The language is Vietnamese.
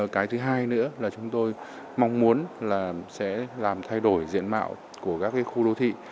cái thứ hai nữa là chúng tôi mong muốn là sẽ làm thay đổi diện mạo của các khu đô thị